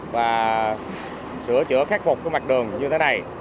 và sửa chữa khắc phục cái mặt đường như thế này